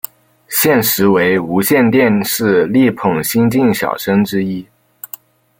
现时为无线电视力捧新晋小生之一。